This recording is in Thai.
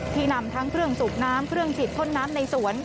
นำทั้งเครื่องสูบน้ำเครื่องฉีดพ่นน้ำในสวน